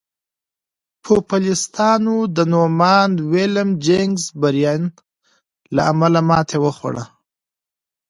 پوپلستانو د نوماند ویلیم جیننګز بریان له امله ماتې وخوړه.